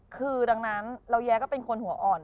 คือดังนั้นเราแย้ก็เป็นคนหัวอ่อน